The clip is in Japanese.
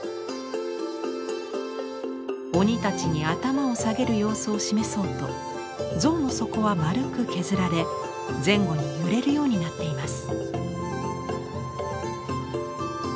鬼たちに頭を下げる様子を示そうと像の底は丸く削られ前後に揺れるようになっています。